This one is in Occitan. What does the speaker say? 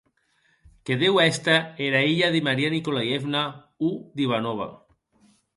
Que deu èster era hilha de Maria Nikolaievna o d’Ivanova.